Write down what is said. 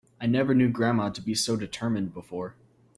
I never knew grandma to be so determined before.